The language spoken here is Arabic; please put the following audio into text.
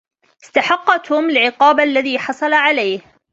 استحق توم العقاب الذي حصل عليه.